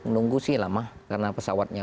nunggu sih lama karena pesawatnya